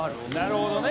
なるほどね。